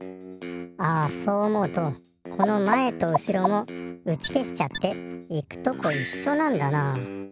あそう思うとこのまえとうしろもうちけしちゃって行くとこいっしょなんだなあ。